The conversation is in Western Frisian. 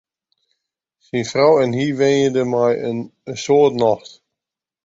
Syn frou en hy wenje dêr mei in soad nocht.